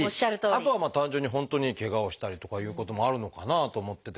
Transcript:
あとはまあ単純に本当にケガをしたりとかいうこともあるのかなあと思ってて。